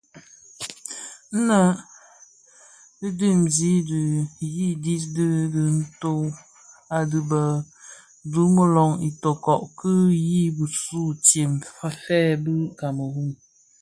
Nnë dhi dimzi di dhiyis di dhi nto u dhid bi dimuloň Itoko ki yin bisuu ntsem fè bi kameroun,